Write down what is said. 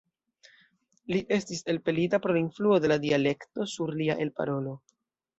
Li estis elpelita, pro la influo de la dialekto sur lia elparolo.